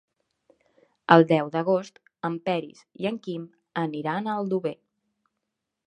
El deu d'agost en Peris i en Quim aniran a Aldover.